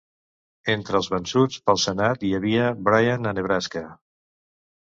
Entre els vençuts pel Senat hi havia Bryan a Nebraska.